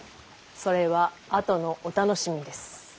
それはあとのお楽しみです。